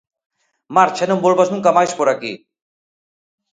Marcha e non volvas nunca máis por aquí!